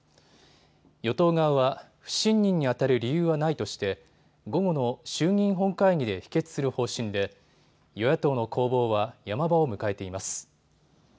与党側は不信任にあたる理由はないとして午後の衆議院本会議で否決する方針で与野党の攻防はヤマ場を迎えています。